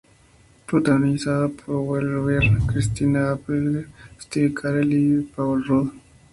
Protagonizada por Will Ferrell, Christina Applegate, Steve Carell y Paul Rudd.